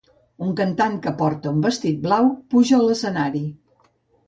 Un cantant que porta un vestit blau puja a l'escenari.